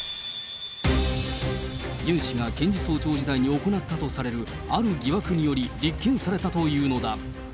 ユン氏が検事総長時代に行ったとされるある疑惑により、立件されたというのだ。